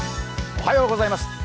おはようございます。